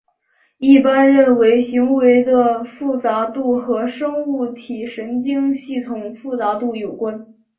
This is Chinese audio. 一般认为行为的复杂度和生物体神经系统的复杂度有关。